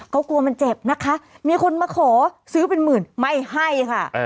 เขากลัวมันเจ็บนะคะมีคนมาขอซื้อเป็นหมื่นไม่ให้ค่ะ